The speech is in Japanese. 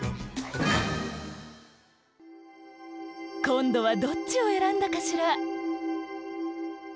こんどはどっちを選んだかしら？